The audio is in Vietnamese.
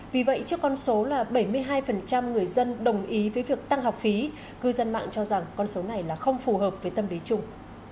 vì vậy trước con số là bảy mươi hai người dân đồng ý với việc tăng học phí cư dân mạng cho rằng con số này là không phù hợp với tâm lý chung